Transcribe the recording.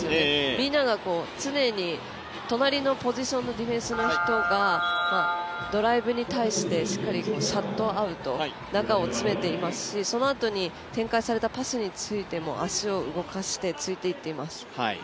みんなが常に隣のポジションのディフェンスの人がドライブに対してしっかりシャットアウト、中を詰めていますし、そのあとに展開されたパスについても足を動かして、ついていっています。